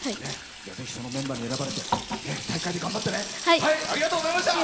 ぜひ、そのメンバーに選ばれて大会で頑張ってね！